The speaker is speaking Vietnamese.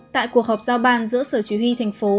tại cuộc họp giao ban giữa sở chỉ huy thành phố